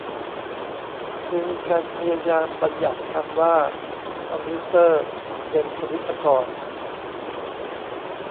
เคยมีการพยายามบัญญัติคำว่าคอมพิวเตอร์เป็นคณิตกร